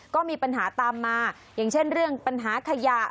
ก็มีปัญหาตามมาอย่างเช่นเรื่องปัญหาขยะ